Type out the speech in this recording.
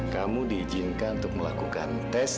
kamu diizinkan untuk melakukan tes